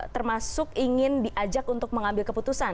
termasuk ingin diajak untuk mengambil keputusan